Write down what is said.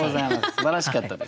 すばらしかったです。